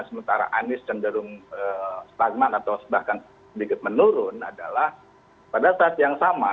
sementara anies cenderung stagnan atau bahkan sedikit menurun adalah pada saat yang sama